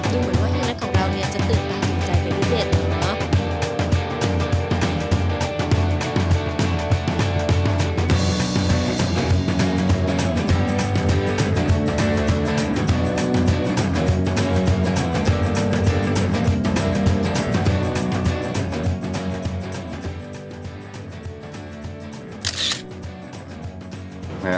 ดูเหมือนว่าแห้งนั้นของเราเนี่ยจะตื่นปลาถึงใจได้ด้วยเลยเนาะ